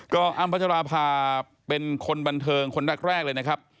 ก็อ้ำพัชราภาเป็นคนบันเทิงคนแรกเลยนะครับ